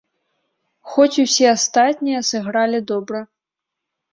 Хоць усе астатнія сыгралі добра.